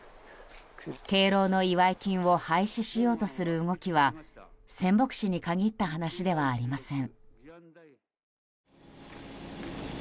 敬老の祝い金を廃止しようとする動きは仙北市に限った話ではありません。